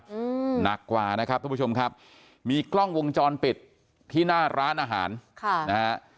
อืมหนักกว่านะครับทุกผู้ชมครับมีกล้องวงจรปิดที่หน้าร้านอาหารค่ะนะฮะ